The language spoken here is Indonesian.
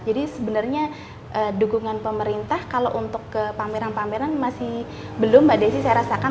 jadi sebenarnya dukungan pemerintah kalau untuk ke pameran pameran masih belum mbak desy saya rasakan